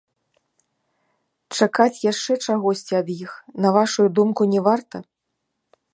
Чакаць яшчэ чагосьці ад іх, на вашую думку, не варта?